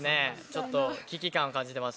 ちょっと危機感を感じてます